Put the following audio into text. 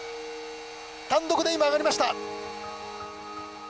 単独で今、上がりました！